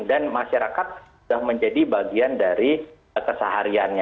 dan masyarakat sudah menjadi bagian dari kesehariannya